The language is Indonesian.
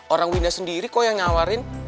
orang winda sendiri kok yang ngawarin